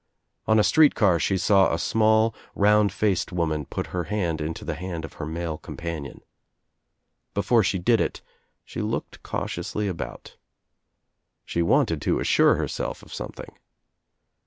On a street car she saw a small round faced woman put her hand into the hand of her male companion. Before she did it she looked cautiously about. She wanted to assure herself of something.